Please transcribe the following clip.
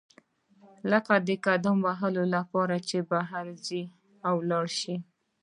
لکه د قدم وهلو لپاره چې بهر وزئ او لاړ شئ.